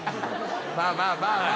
まあまあまあまあ。